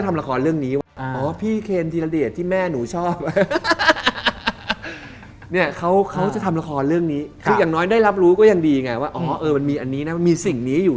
อันนี้คือเรื่องปกติ